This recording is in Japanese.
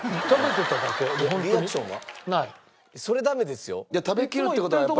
それダメですよ。